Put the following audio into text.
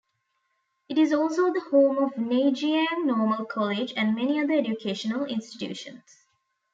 It is also the home of Neijiang Normal College and many other educational institutions.